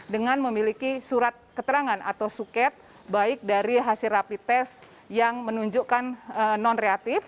dengan memiliki surat keterangan atau suket baik dari hasil rapi tes yang menunjukkan non reaktif